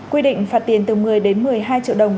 quy định phạt tiền từ một mươi đến một mươi hai triệu đồng